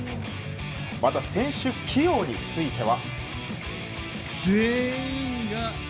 また、選手起用については。